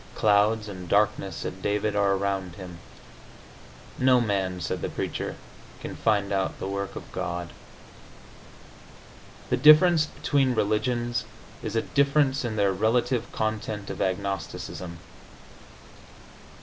"Clouds and darkness," said David, "are around him." "No man," said the Preacher, "can find out the work of God." ... The difference between religions is a difference in their relative content of agnosticism.